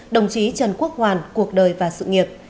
đồng chí trần quốc hoàn cuộc đời và sự nghiệp